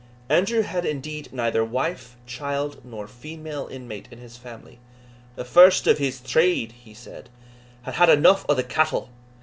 Andrew had indeed neither wife, child, nor female inmate in his family. "The first of his trade," he said, "had had eneugh o'thae cattle."